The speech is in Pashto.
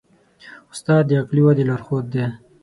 استاد د عقلي ودې لارښود دی.